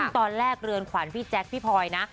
ตอนแรกเรือนขวัญพี่แจ๊คพี่พลอยนะ